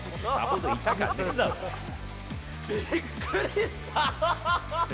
びっくりした。